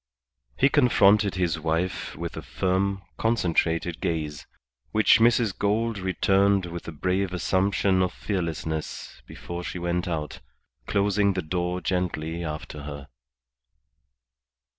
He confronted his wife with a firm, concentrated gaze, which Mrs. Gould returned with a brave assumption of fearlessness before she went out, closing the door gently after her.